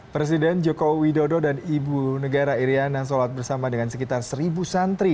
presiden joko widodo dan ibu negara iryana sholat bersama dengan sekitar seribu santri